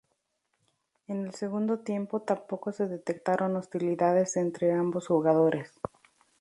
En el segundo tiempo tampoco se detectaron hostilidades entre ambos jugadores.